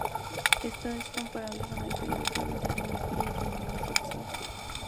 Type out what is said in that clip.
Esto es comparable con el período orbital de Mercurio alrededor del Sol.